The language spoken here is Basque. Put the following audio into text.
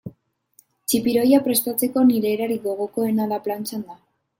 Txipiroia prestatzeko nire erarik gogokoena da plantxan da.